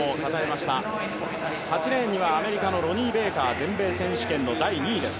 ８レーンにはアメリカのロニー・ベイカー、全米選手権の第２位です。